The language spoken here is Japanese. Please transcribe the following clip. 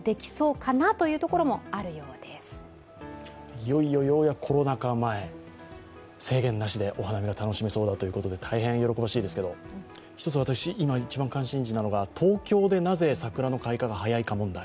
いよいよ、ようやくコロナ禍前制限なしでお花見が楽しめそうだということで、大変喜ばしいですけれども、一つ私、一番関心事なのは東京でなぜ開花が早いのか問題